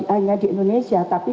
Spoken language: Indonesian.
hanya di indonesia tapi